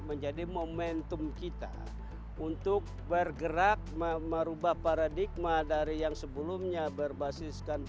menjadi momentum kita untuk bergerak merubah paradigma dari yang sebelumnya berbasiskan